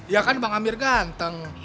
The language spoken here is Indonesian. ya kan bang amir ganteng